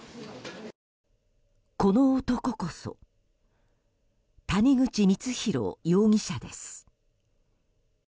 この男こそ谷口光弘容疑者です。